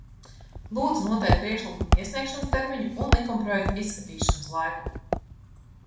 Lūdzu noteikt priekšlikumu iesniegšanas termiņu un likumprojekta izskatīšanas laiku!